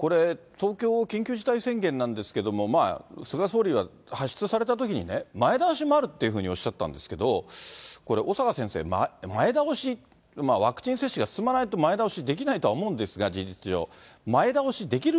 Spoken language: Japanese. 東京の緊急事態宣言なんですけども、菅総理は発出されたときに、前倒しもあるっていうふうにおっしゃったんですけど、これ、小坂先生、前倒しって、ワクチン接種が進まないと、前倒しはできないとは思うんですが、事実上。